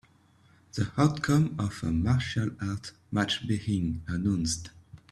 The outcome of a martial arts match being announced.